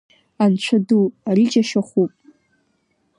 Анцәа ду, ари џьашьахәуп!